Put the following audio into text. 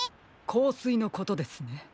こうすいのことですね。